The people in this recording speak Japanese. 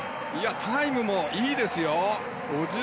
タイムもいいですよ。